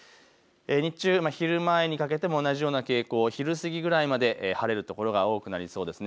日中、昼前にかけても同じような傾向、昼過ぎぐらいまで晴れる所が多くなりそうですね。